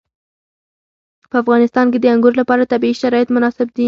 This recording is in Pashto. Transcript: په افغانستان کې د انګور لپاره طبیعي شرایط مناسب دي.